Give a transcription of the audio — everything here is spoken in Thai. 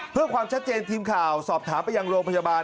เพื่อความชัดเจนทีมข่าวสอบถามไปยังโรงพยาบาล